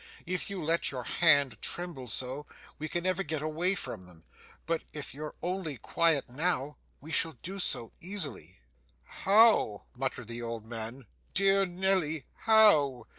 If you let your hand tremble so, we can never get away from them, but if you're only quiet now, we shall do so, easily.' 'How?' muttered the old man. 'Dear Nelly, how?